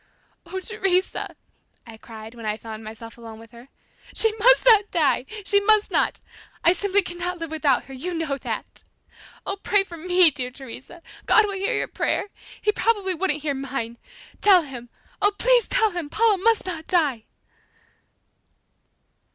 "Oh, Teresa," I cried, when I found myself alone with her, "she must not die! She must not! I simply cannot live without her, you know that! Oh, pray for me, dear Teresa. God will hear your prayer. He probably wouldn't hear mine. Tell Him! Oh, please tell Him, Paula must not die!"